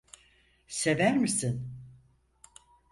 Sever misin?